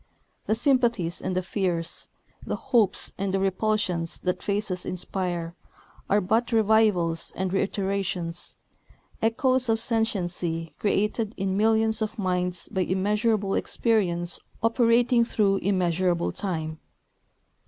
The sympathies and the fears, the hopes and the repulsions that faces inspire, are but revivals and reiterations, echoes of sentiency created in millions of minds by immeasurable experience operating through immeasurable time.